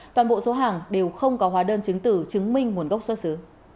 toàn bộ số hàng đều không có hóa đơn chứng tử chứng minh nguồn gốc xuất xứ